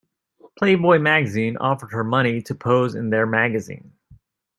Playboy Magazine offered her money to pose in their magazine.